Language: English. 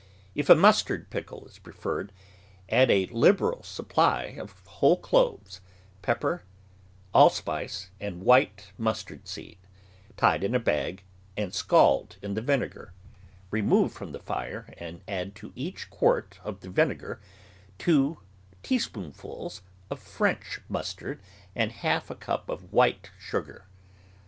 If a mustard pickle is preferred, add a liberal supply of whole cloves, pepper, allspice, and white mustard seed, tied in a bag and scald in the vinegar; remove from the foe, and add to each quart of the vine gar two teaspoonfuls of French mustard and half a cup of white sugar.